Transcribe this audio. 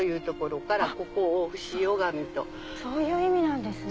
そういう意味なんですね。